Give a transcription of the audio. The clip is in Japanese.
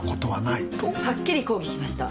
はっきり抗議しました。